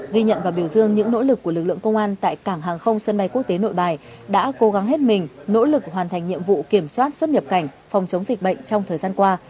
ghi nhận và biểu dương những nỗ lực của lực lượng công an tại cảng hàng không sân bay quốc tế nội bài đã cố gắng hết mình nỗ lực hoàn thành nhiệm vụ kiểm soát xuất nhập cảnh phòng chống dịch bệnh trong thời gian qua